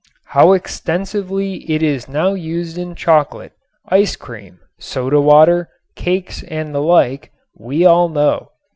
How extensively it is now used in chocolate, ice cream, soda water, cakes and the like we all know.